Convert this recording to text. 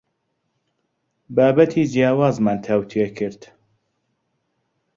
بابەتی جیاوازمان تاوتوێ کرد.